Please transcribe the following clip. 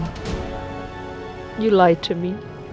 kamu menipu saya